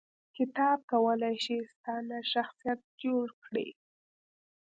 کتاب کولای شي ستا نه شخصیت جوړ کړي